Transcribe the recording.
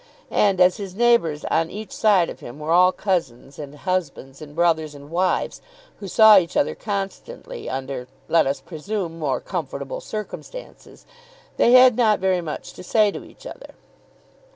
And as his neighbours on each side of him were all cousins and husbands, and brothers and wives, who saw each constantly under, let us presume, more comfortable circumstances, they had not very much to say to each other.